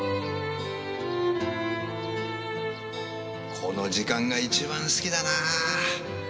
この時間が一番好きだなぁ。